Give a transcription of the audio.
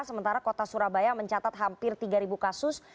sementara kota surabaya mencatat hampir tiga kasus